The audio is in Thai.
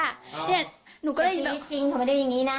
จริงหนูไม่ได้อย่างนี้นะ